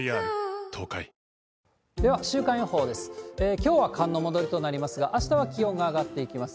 きょうは寒の戻りとなりますが、あしたは気温が上がっていきます。